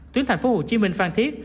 tuyến thành phố hồ chí minh phan thiết